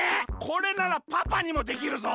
これならパパにもできるぞ！